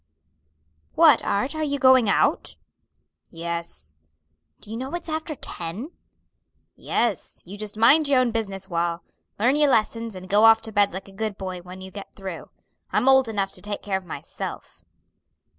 "What, Art, are you going out?" "Yes." "Do you know it's after ten?" "Yes, you just mind your own business, Wal; learn your lessons, and go off to bed like a good boy when you get through. I'm old enough to take care of myself."